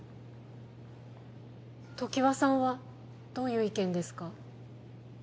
常盤さんはどういう意見ですか？